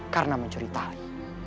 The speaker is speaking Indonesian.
karena mencuri tali